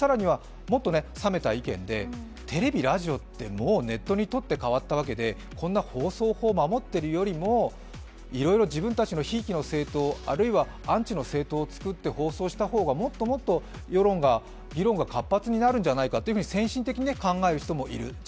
更にはもっと冷めた意見でテレビ、ラジオってネットに取って代わられたわけで、放送法を守っているよりも、いろいろ自分たちのひいきの政党、あるいはアンチの政党を放送した方がもっともっと世論が議論が活発になるんじゃないかと先進的に考える人もいる。